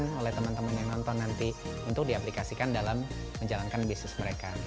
dan ini juga bisa dikemas oleh teman teman yang nonton nanti untuk diaplikasikan dalam menjalankan bisnis mereka